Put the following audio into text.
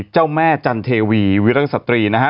เจ้าแม่จันเทวีวิรัศตรีนะฮะ